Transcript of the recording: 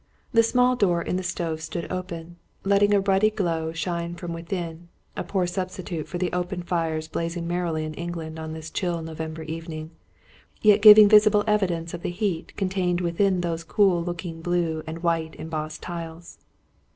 The small door in the stove stood open, letting a ruddy glow shine from within, a poor substitute for the open fires blazing merrily in England on this chill November evening; yet giving visible evidence of the heat contained within those cool looking blue and white embossed tiles.